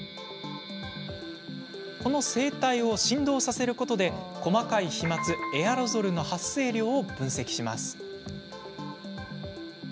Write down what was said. この声帯を振動させることで細かい飛まつエアロゾルの発生量を分析します。